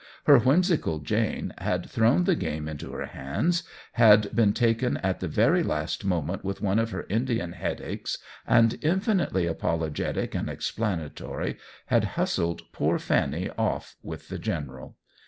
Her whimsical Jane had thrown the game into her hands, had been taken at the very last moment with one of her Indian headaches and, infinitely apologetic and explanatory, had hustled poor Fanny off with the General.